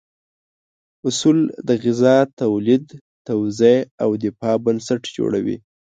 اصول د غذا تولید، توزیع او دفاع بنسټ جوړوي.